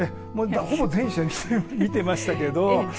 ほぼ全試合見てましたけど。